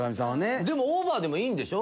オーバーでもいいんでしょ？